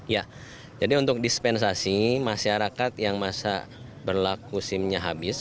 ya jadi untuk dispensasi masyarakat yang masa berlaku sim nya habis